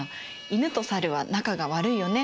犬と猿は仲が悪いよね。